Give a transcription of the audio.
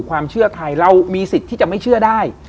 ความเชื่อไทยเรามีสิทธิ์ที่จะไม่เชื่อได้